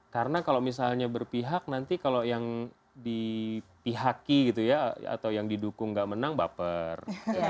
karena kalau misalnya berpihak nanti kalau yang dipihaki gitu ya atau yang didukung nggak menang baper